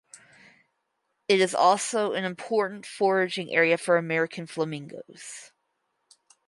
It is also an important foraging area for American flamingos.